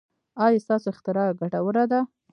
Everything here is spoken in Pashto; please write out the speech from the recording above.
ایا ستاسو اختراع ګټوره ده؟